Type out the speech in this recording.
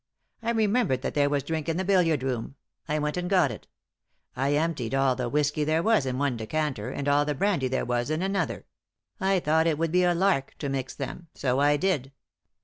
I remembered that there was drink in the billiard room. I went and got it I emptied all the whisky there was in one decanter, and all the brandy there was in another. I thought it would be a lark to mix them; so I did.